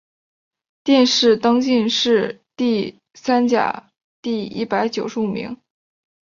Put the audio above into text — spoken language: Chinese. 殿试登进士第三甲第一百九十五名。